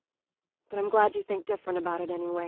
But I'm glad you think different about it, anyway.